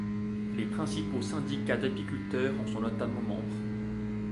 Les principaux syndicats d'apiculteurs en sont notamment membres.